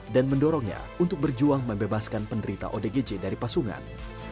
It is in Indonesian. dan mendorongnya untuk berjuang membebaskan penderita odgj dari pasungan